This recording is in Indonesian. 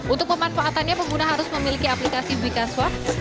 untuk pemanfaatannya pengguna harus memiliki aplikasi bicaswa